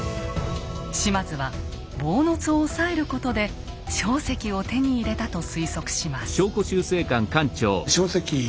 島津は坊津を押さえることで硝石を手に入れたと推測します。